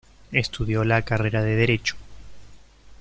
Estudió la carrera de derecho.